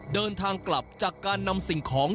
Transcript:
เดินทางกลับจากการนำสิ่งของ